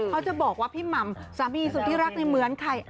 เขาจะบอกว่าพี่หม่ำสามีสุดที่รักนี่เหมือนใคร